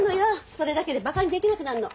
それだけでバカにできなくなるの。